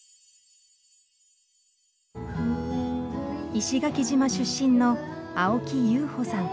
石垣島出身の青木宙帆さん。